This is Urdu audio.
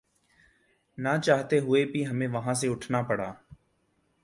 ناچاہتے ہوئے بھی ہمیں وہاں سے اٹھنا پڑا